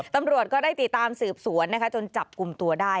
ตำรวจก็ได้ติดตามสืบสวนนะคะจนจับกลุ่มตัวได้